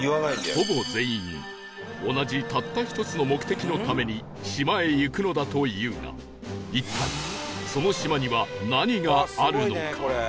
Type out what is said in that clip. ほぼ全員同じたった一つの目的のために島へ行くのだというが一体その島には何があるのか？